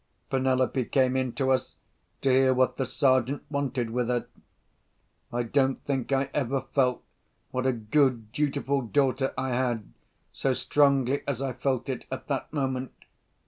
Penelope came in to us to hear what the Sergeant wanted with her. I don't think I ever felt what a good dutiful daughter I had, so strongly as I felt it at that moment.